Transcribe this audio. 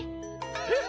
えっ？